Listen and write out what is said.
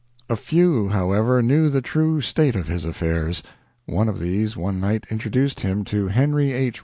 A few, however, knew the true state of his affairs. One of these one night introduced him to Henry H.